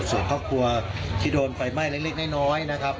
ส่วนครอบครัวที่โดนไฟไหม้เล็กน้อยนะครับ